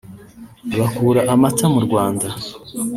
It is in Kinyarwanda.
bakura amata mu Rwanda